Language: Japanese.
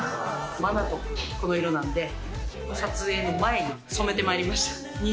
マナト、この色なんで、撮影の前に染めてまいりました。